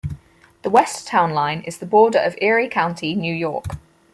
The west town line is the border of Erie County, New York.